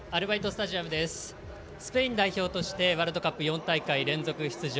スペイン代表としてワールドカップ４大会連続出場。